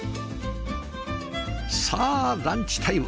さあランチタイム